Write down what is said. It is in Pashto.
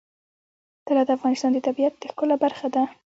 طلا د افغانستان د طبیعت د ښکلا برخه ده.